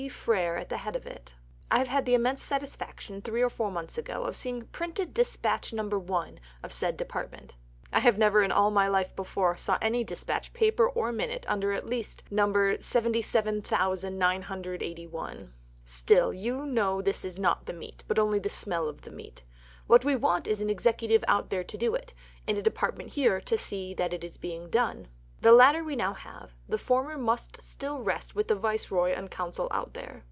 Frere at the head of it. And I had the immense satisfaction 3 or 4 months ago of seeing 'Printed Despatch No. 1' of said Department. (I never, in all my life before, saw any Despatch, Paper or Minute under at least No. 77,981). Still you know this is not the meat, but only the smell of the meat. What we want is an Executive out there to do it, and a Department here to see that it is being done. The latter we now have; the former must still rest with the Viceroy and Council out there."